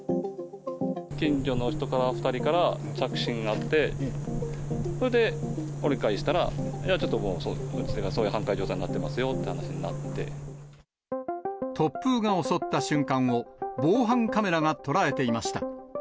近所の人から、２人から着信があって、それで、折り返したら、ちょっとうちがそういう半壊状態になっていますよという話になっ突風が襲った瞬間を防犯カメラが捉えていました。